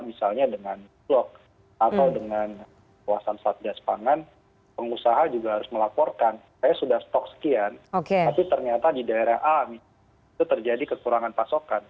misalnya dengan blok atau dengan kekuasaan satgas pangan pengusaha juga harus melaporkan saya sudah stok sekian tapi ternyata di daerah a itu terjadi kekurangan pasokan